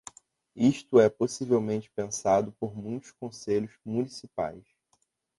Isto é possivelmente pensado por muitos conselhos municipais.